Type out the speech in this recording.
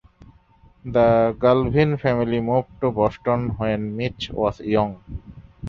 The Galvin family moved to Boston when Mitch was young.